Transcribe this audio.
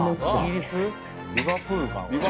リバプールかな。